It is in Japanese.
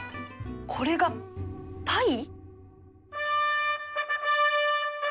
これがパイ！？